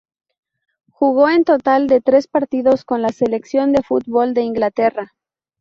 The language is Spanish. Jugó un total de tres partidos con la selección de fútbol de Inglaterra.